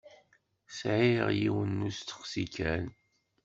Sɛiɣ yiwen n usteqsi kan.